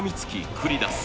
繰り出す